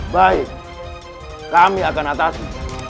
baik kami akan atasi